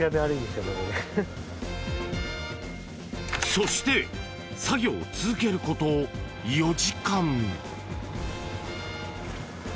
そして作業を続けること４時間。